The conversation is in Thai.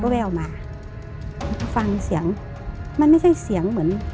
ก็ไปเอามามันก็ฟังเสียงมันไม่ใช่เสียงเหมือน